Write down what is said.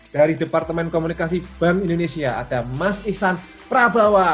dari departemen komunikasi bank indonesia ada mas isan prabawa